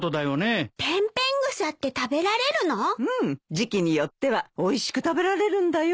時季によってはおいしく食べられるんだよ。